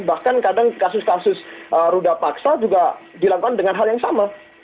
bahkan kadang kasus kasus ruda paksa juga dilakukan dengan hal yang sama